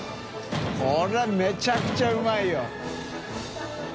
これはめちゃくちゃうまいよ。